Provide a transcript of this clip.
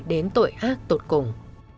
đến tội ác tụt cùng